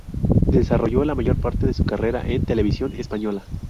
Desarrolló la mayor parte de su carrera en Televisión Española.